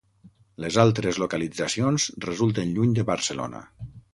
Les altres localitzacions resulten lluny de Barcelona.